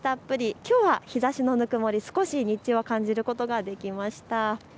きょうは日ざしのぬくもり、少し感じることができました。